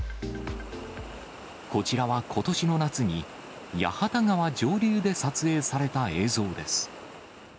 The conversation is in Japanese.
こちらはことしの夏に、八幡川上流で撮影された映像です。